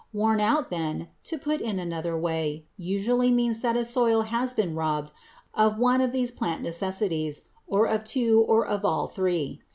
"Worn out," then, to put it in another way, usually means that a soil has been robbed of one of these plant necessities, or of two or of all three.